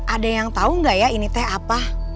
ada yang tau gak ya ini teh apa